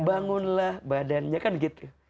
bangunlah badannya kan gitu